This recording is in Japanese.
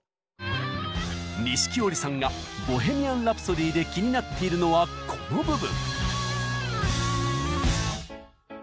錦織さんが「ボヘミアン・ラプソディ」で気になっているのはこの部分。